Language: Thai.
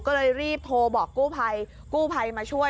ก็เลยรีบโทรบอกกู้ภัยกู้ภัยมาช่วย